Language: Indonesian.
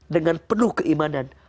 dengan penuh keimanan